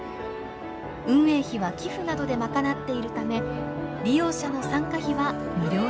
運営費は寄付などで賄っているため利用者の参加費は無料です。